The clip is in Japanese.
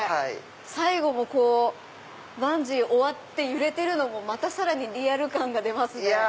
最後もバンジー終わって揺れてるのもまたさらにリアル感が出ますね。